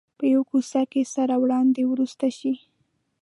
په یوه کوڅه کې سره وړاندې ورسته شي.